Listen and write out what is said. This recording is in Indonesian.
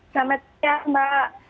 selamat siang mbak